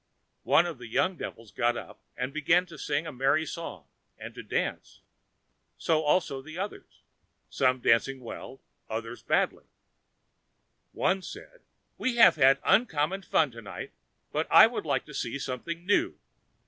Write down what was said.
One of the young devils got up and began to sing a merry song and to dance; so also many others; some danced well, others badly. One said: "We have had uncommon fun tonight, but I would like to see something new."